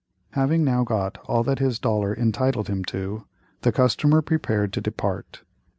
Having now got all that his dollar entitled him to, the customer prepared to depart.